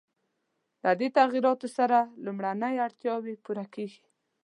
له دې تغییراتو سره لومړنۍ اړتیاوې پوره کېږي.